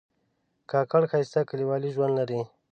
کاکړ ښایسته کلیوالي ژوند لري.